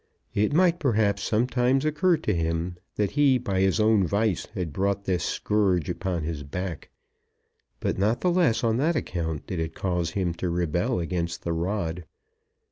It might perhaps sometimes occur to him that he by his own vice had brought this scourge upon his back; but not the less on that account did it cause him to rebel against the rod.